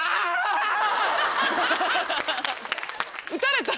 撃たれた？